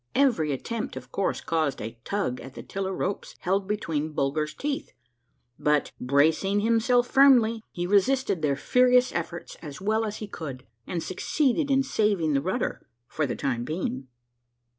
Every attempt of course caused a tug at the tiller ropes held between Bulger's teeth; but, bracing himself firmly, he resisted their furious efforts as well as he could, and succeeded in saving the rudder for the time being.